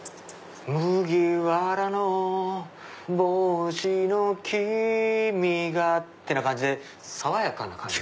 麦わらの帽子の君がってな感じで爽やかな感じ。